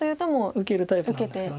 受けるタイプなんですよね。